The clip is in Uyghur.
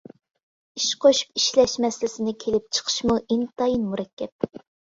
ئىش قوشۇپ ئىشلەش مەسىلىسىنى كېلىپ چىقىشىمۇ ئىنتايىن مۇرەككەپ.